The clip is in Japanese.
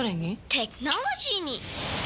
テクノロジーに！